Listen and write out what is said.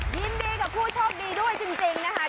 ยินดีกับผู้โชคดีด้วยจริงนะคะ